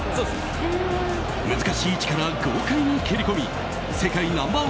難しい位置から豪快に蹴り込み世界ナンバー１